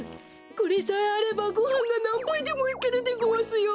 これさえあればごはんがなんばいでもいけるでごわすよ。